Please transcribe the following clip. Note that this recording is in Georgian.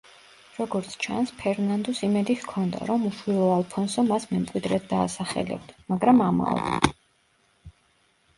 როგორც ჩანს, ფერნანდუს იმედი ჰქონდა, რომ უშვილო ალფონსო მას მემკვიდრედ დაასახელებდა, მაგრამ ამაოდ.